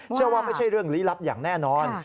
เชื่อว่าไม่ใช่เรื่องลี้ลับอย่างแน่นอน